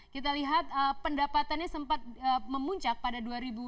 kita lihat pendapatannya sempat memuncak pada dua ribu